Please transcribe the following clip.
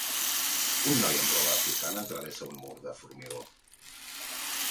Un noi amb roba africana travessa un mur de formigó